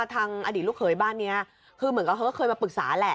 ทางอดีตลูกเผยบ้านนี้เขาก็เคยมาปรึกษาแหล่ะ